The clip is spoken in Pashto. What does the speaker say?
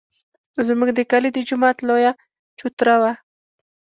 زموږ د کلي د جومات لویه چوتره وه.